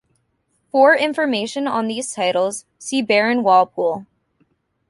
For information on these titles see Baron Walpole.